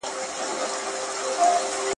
• د مسکين په لاس کي غلمينه ډوډۍ عيب ده.